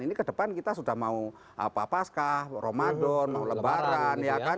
ini kedepan kita sudah mau pascah romadhon mau lebaran ya kan